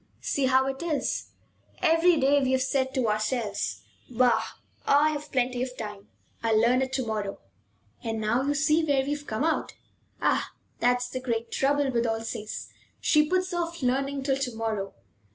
See how it is! Every day we have said to ourselves: 'Bah! I've plenty of time. I'll learn it to morrow.' And now you see where we've come out. Ah, that's the great trouble with Alsace; she puts off learning till to morrow.